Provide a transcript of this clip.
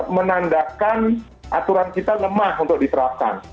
menandakan aturan kita lemah untuk diterapkan